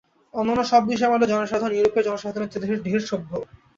অন্যান্য সব বিষয়েও আমাদের জনসাধারণ ইউরোপের জনসাধারণের চেয়ে ঢের সভ্য।